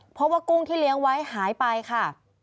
เพราะว่ากุ้งที่เลี้ยงไว้หายไปค่ะ